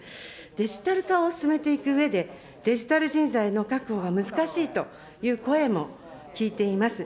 デジタル化を進めていくうえで、デジタル人材の確保が難しいという声も聞いています。